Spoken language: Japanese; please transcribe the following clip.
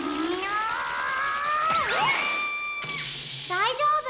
だいじょうぶ？